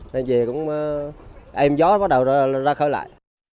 nên về cũng êm gió bắt đầu ra khơi lại